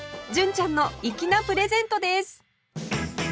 純ちゃんの粋なプレゼントです